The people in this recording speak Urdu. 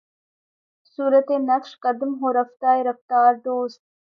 صورتِ نقشِ قدم ہوں رفتۂ رفتارِ دوست